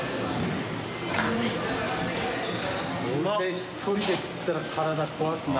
・１人で食ったら体壊すな。